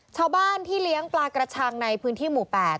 ชาวบ้านที่เลี้ยงปลากระชังในพื้นที่หมู่๘